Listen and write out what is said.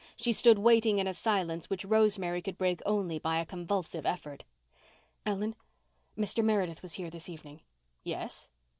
She stood waiting in a silence which Rosemary could break only by a convulsive effort. "Ellen, Mr. Meredith was here this evening." "Yes?"